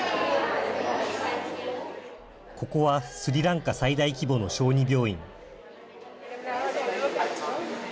ここはスリランカ最大規模の小児病院。